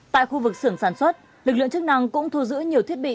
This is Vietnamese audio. tại khu vực xưởng sản xuất lực lượng chức năng cũng thu giữ nhiều thiết bị